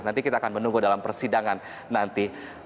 nanti kita akan menunggu dalam persidangan nanti